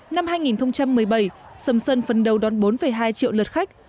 năm hai nghìn một mươi bảy sầm sơn phân đấu đón bốn hai triệu lượt khách